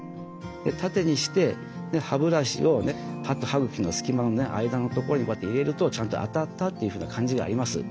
縦にして歯ブラシを歯と歯茎の隙間のね間の所にこうやって入れるとちゃんと当たったというふうな感じがあります。